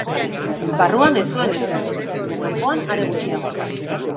Barruan ez zuen ezer, baina kanpoan are gutxiago.